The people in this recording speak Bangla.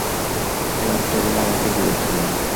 ওই বাচ্চাগুলো আমাকে দিয়েছিল।